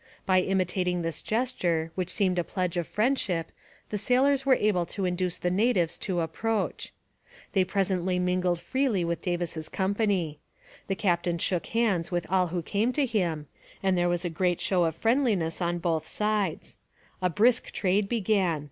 By imitating this gesture, which seemed a pledge of friendship, the sailors were able to induce the natives to approach. They presently mingled freely with Davis's company. The captain shook hands with all who came to him, and there was a great show of friendliness on both sides. A brisk trade began.